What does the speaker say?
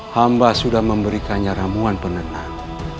hamba sudah memberikannya ramuan penenang